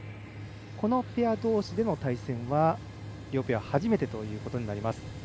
このペアどうしでの対戦は初めてということになります。